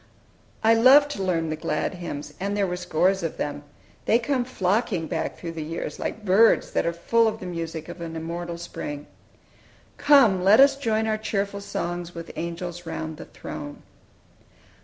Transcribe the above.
I loved to learn the glad hymns, and there were scores of them. They come flocking back through the years, like birds that are full of the music of an immortal spring! "Come, let us join our cheerful songs With angels round the throne."